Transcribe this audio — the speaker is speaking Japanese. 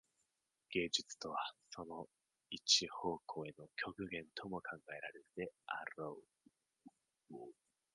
芸術とはその一方向への極限とも考えられるであろう。